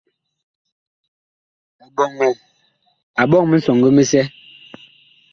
Eɓɔŋɛ a ɓɔŋ misɔŋgi misɛ.